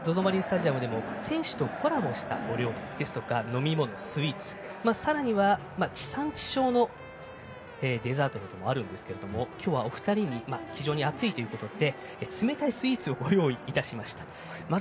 マリンスタジアムでも選手とコラボした料理ですとか飲み物、スイーツさらには地産池消のデザートなどもあるんですが今日は、お二人に非常に暑いということで冷たいスイーツをご用意しました。